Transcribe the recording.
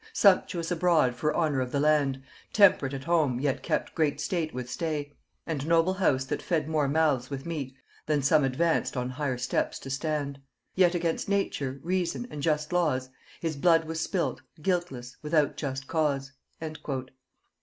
Sumptuous abroad for honor of the land, Temp'rate at home, yet kept great state with stay, And noble house that fed more mouths with meat Than some advanced on higher steps to stand; Yet against nature, reason, and just laws, His blood was spilt, guiltless, without just cause."